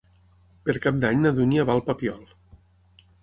Per Cap d'Any na Dúnia va al Papiol.